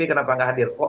kenapa gak hadir